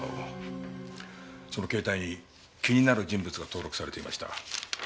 その携帯に気になる人物が登録されていました。